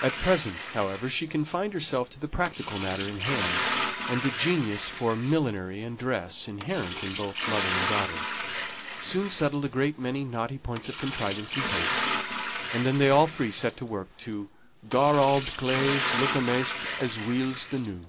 At present, however, she confined herself to the practical matter in hand; and the genius for millinery and dress, inherent in both mother and daughter, soon settled a great many knotty points of contrivance and taste, and then they all three set to work to "gar auld claes look amaist as weel's the new."